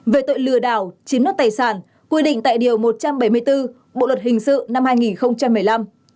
về tội lừa đảo chiếm đoạt tài sản quy định tại điều một trăm bảy mươi bốn bộ luật hình sự năm hai nghìn một mươi năm